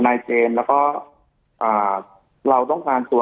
จนถึงปัจจุบันมีการมารายงานตัว